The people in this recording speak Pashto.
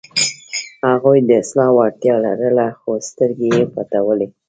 هغوی د اصلاح وړتیا لرله، خو سترګې یې پټولې.